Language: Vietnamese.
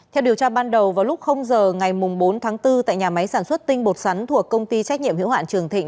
theo điều tra ban đầu vào lúc giờ ngày bốn tháng bốn tại nhà máy sản xuất tinh bột sắn thuộc công ty trách nhiệm hiệu hoạn trường thịnh